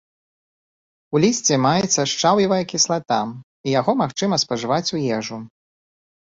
У лісці маецца шчаўевая кіслата, і яго магчыма спажываць у ежу.